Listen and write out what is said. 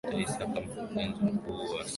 isaka mkurugenzi mkuu wa ssra